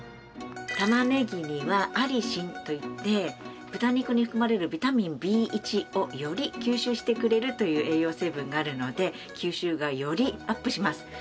玉ねぎにはアリシンといって豚肉に含まれるビタミンＢ１をより吸収してくれるという栄養成分があるので吸収がよりアップします。